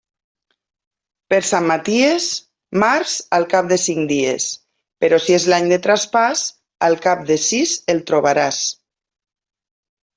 Per Sant Maties, març al cap de cinc dies, però si és l'any de traspàs, al cap de sis el trobaràs.